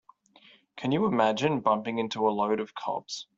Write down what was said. Can you imagine bumping into a load of cops?